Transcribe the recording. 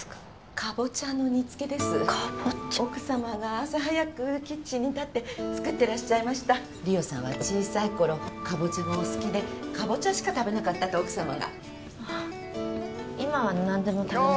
カボチャ奥様が朝早くキッチンに立って作ってらっしゃいました梨央さんは小さい頃カボチャがお好きでカボチャしか食べなかったと奥様が今は何でも食べます